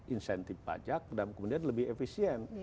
insentif pajak dan kemudian lebih efisien